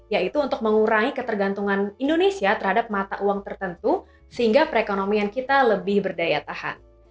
yaitu untuk mengurangi ketergantungan indonesia terhadap mata uang tertentu sehingga perekonomian kita lebih berdaya tahan